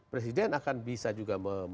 presiden akan bisa juga